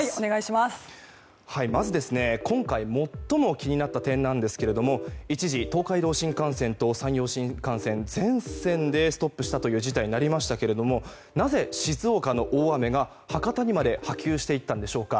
まず今回最も気になった点なんですが一時、東海道新幹線と山陽新幹線全線でストップしたという事態になりましたけどもなぜ静岡の大雨が博多にまで波及していったのでしょうか。